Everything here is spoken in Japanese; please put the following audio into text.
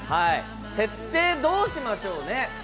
設定、どうしましょうね。